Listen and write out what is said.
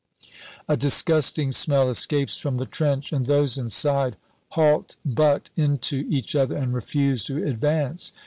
A disgusting smell escapes from the trench, and those inside halt butt into each other, and refuse to advance.